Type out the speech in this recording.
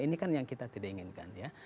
ini kan yang kita tidak inginkan ya